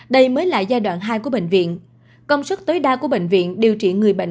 đây mới là giai đoạn hai của bệnh viện công suất tối đa của bệnh viện điều trị người bệnh